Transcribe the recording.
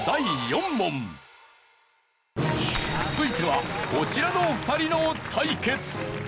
続いてはこちらの２人の対決。